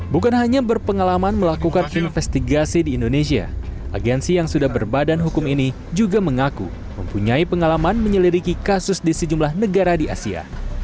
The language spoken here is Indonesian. bukan hanya berpengalaman melakukan investigasi di indonesia agensi yang sudah berbadan hukum ini juga mengaku mempunyai pengalaman menyelidiki kasus di sejumlah negara di asia